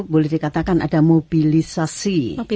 boleh dikatakan ada mobilisasi